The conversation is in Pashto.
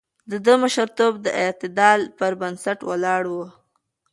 د ده مشرتوب د اعتدال پر بنسټ ولاړ و.